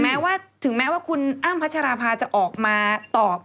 แม้ว่าถึงแม้ว่าคุณอ้ำพัชราภาจะออกมาตอบ